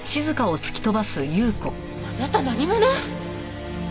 あなた何者？